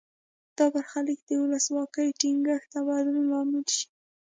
دا پراختیا د ولسواکۍ ټینګښت او بدلون لامل شي.